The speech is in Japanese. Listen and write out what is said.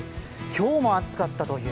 今日も暑かったという。